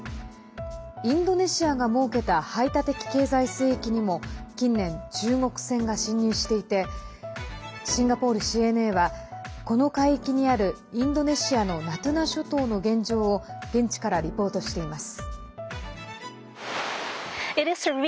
インドネシアが設けた排他的経済水域にも近年、中国船が侵入していてシンガポールＣＮＡはこの海域にあるインドネシアのナトゥナ諸島の現状を現地からリポートしています。